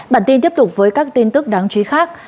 bản tin tiếp tục với các tin tức đáng chú ý khác